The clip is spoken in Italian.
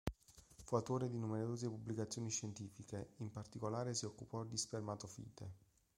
Fu autore di numerose pubblicazioni scientifiche; in particolare, si occupò di spermatofite.